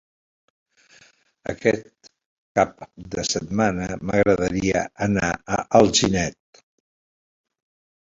Aquest cap de setmana m'agradaria anar a Alginet.